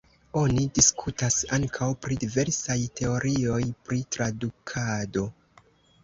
Oni diskutas ankaŭ pri diversaj teorioj pri tradukado.